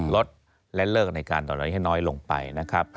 ลดและเลิกในการต่อน้อยให้น้อยลงไปนะครับ